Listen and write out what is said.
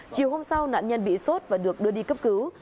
chiều hôm sau nạn nhân bị sốt và được đưa đi cấp cứu